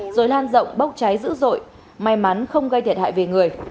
rồi lan rộng bốc cháy dữ dội may mắn không gây thiệt hại về người